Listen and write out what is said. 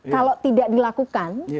kalau tidak dilakukan